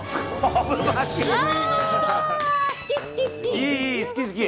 いい、好き、好き。